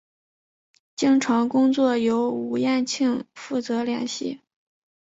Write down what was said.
经常工作由吴衍庆负责联系。